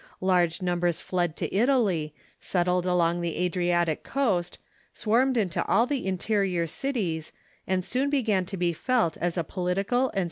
Large numbers fled to Italy, settled along the Adriatic coast, swarmed into all the interior cities, and soon began to be felt as a political and * Kurtz says John VII.